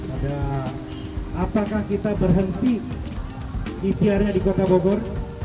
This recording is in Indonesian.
apakah kita berhenti itiarnya di kota bogor